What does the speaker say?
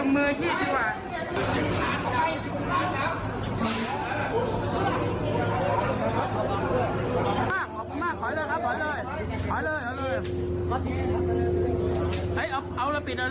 มาสร้างน้ำ